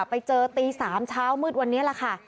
ไปเจอตี๓เช้ามืดวันนี้แหละค่ะ